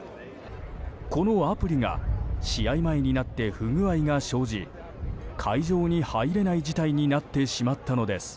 このアプリが試合前になって不具合が生じ会場に入れない事態になってしまったのです。